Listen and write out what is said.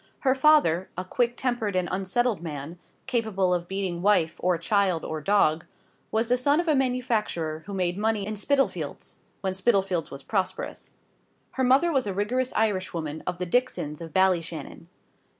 Her father a quick tempered and unsettled man, capable of beating wife, or child, or dog was the son of a manufacturer who made money in Spitalfields, when Spitalfields was prosperous. Her mother was a rigorous Irishwoman, of the Dixons of Ballyshannon.